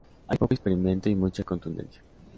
Hay poco experimento y mucha contundencia.